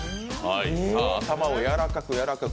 頭をやわらかく、やわらかく。